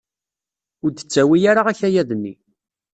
Ur d-tettawi ara akayad-nni.